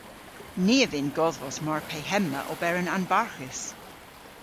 Ni a vynn godhvos mar pe hemma oberen anbarghus.